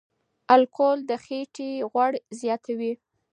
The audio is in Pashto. الکول د خېټې غوړ زیاتوي.